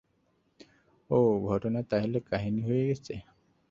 ওহ, ঘটনা তাহলে কাহিনী হয়ে গেছে?